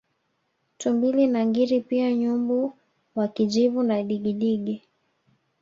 Tumbili na ngiri pia nyumbu wa kijivu na Digidigi